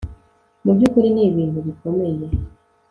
mu byukuri ni ibintu bikomeye